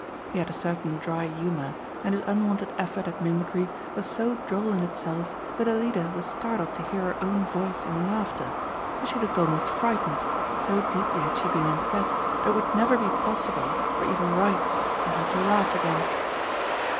He had a certain dry humor, and his unwonted effort at mimicry was so droll in itself that Alida was startled to hear her own voice in laughter, and she looked almost frightened, so deeply had she been impressed that it would never be possible or even right for her to laugh again.